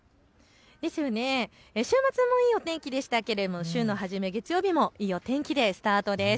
週末もいいお天気でしたけれど週の初め月曜日もいいお天気でスタートです。